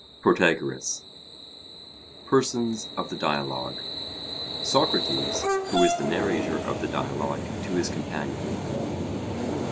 PROTAGORAS PERSONS OF THE DIALOGUE: Socrates, who is the narrator of the Dialogue to his Companion.